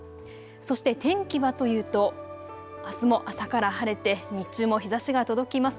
そして天気はというとあすも朝から晴れて日中も日ざしが届きます。